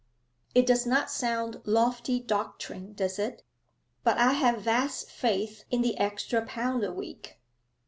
It does not sound lofty doctrine, does it? But I have vast faith in the extra pound a week.